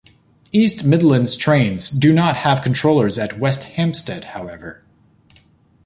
East Midlands Trains do not have controllers at West Hampstead however.